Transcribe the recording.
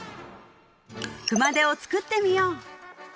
熊手を作ってみよう！